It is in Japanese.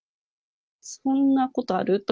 そんなことある？